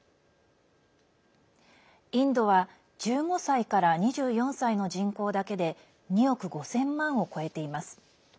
インドは１５歳から２４歳の人口だけで２億５０００万を超えています。